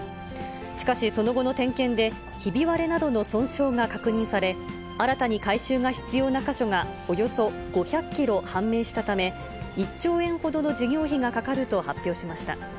しかし、その後の点検で、ひび割れなどの損傷が確認され、新たに改修が必要な箇所がおよそ５００キロ判明したため、１兆円ほどの事業費がかかると発表しました。